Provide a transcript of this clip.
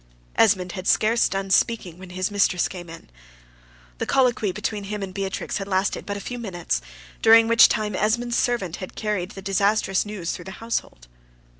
Esmond had scarce done speaking, when his mistress came in. The colloquy between him and Beatrix had lasted but a few minutes, during which time Esmond's servant had carried the disastrous news through the household.